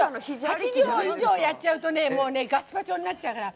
８秒以上やっちゃうとガスパチョになっちゃうから。